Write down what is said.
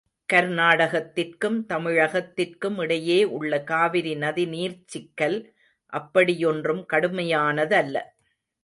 கர்நாடகத்திற்கும் தமிழகத்திற்கும் இடையே உள்ள காவிரி நதி நீர்ச் சிக்கல் அப்படியொன்றும் கடுமையான தல்ல.